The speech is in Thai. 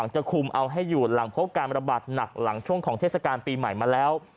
จะคุมเอาให้อยู่หลังพบการระบาดหนักหลังช่วงของเทศกาลปีใหม่มาแล้ว